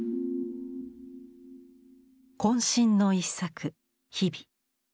渾身の一作「日々」。